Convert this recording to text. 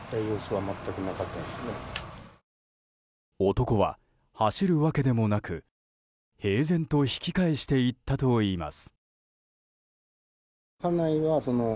男は走るわけでもなく平然と引き返していったといいます。